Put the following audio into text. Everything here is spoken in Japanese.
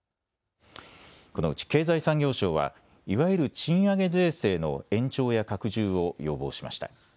このうち経済産業省はいわゆる賃上げ税制の延長や拡充を要望しました。